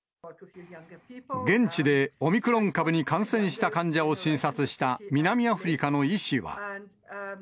現地でオミクロン株に感染した患者を診察した南アフリカの医師は。